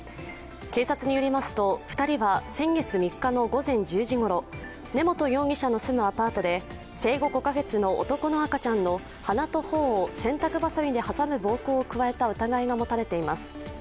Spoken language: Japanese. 警察によりますと、２人は先月３日の午前１０時ごろ根本容疑者の住むアパートで、生後５か月の男の赤ちゃんの鼻と頬を洗濯ばさみで挟む暴行を加えた疑いが持たれています。